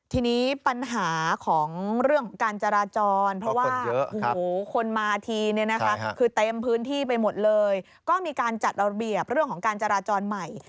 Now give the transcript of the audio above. ทีนี้ปัญหาของเรื่องของการจราจรเพราะว่าคนมาทีเนี่ยนะคะคือเต็มพื้นที่ไปหมดเลยก็มีการจัดระเบียบเรื่องของการจราจรใหม่